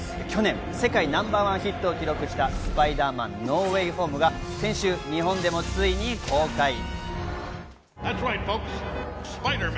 去年、世界ナンバーワンヒットを記録した『スパイダーマン：ノー・ウェイ・ホーム』が先週、日本でもついに公開。